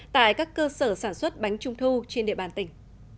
tại các cơ sở sản xuất bánh trung thu trên địa bàn tỉnh